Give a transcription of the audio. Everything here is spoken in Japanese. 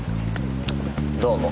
どうも。